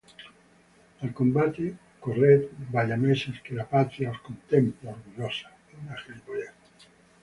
Al combate corred bayameses que la patria os comtempla orgullosa